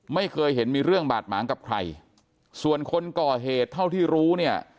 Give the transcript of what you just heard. ไม่เคยเห็นมีเรื่องบาดหมางกับใครส่วนคนก่อเหตุเท่าที่รู้เนี่ย